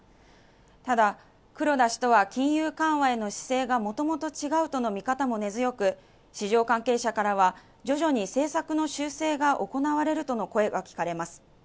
ただ黒田氏とは金融緩和への姿勢が元々違うとの見方も根強く市場関係者からは徐々に政策の修正が行われるとの声が聞かれます